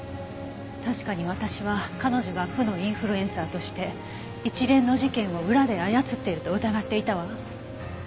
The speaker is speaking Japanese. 確かに私は彼女が負のインフルエンサーとして一連の事件を裏で操っていると疑っていたわ。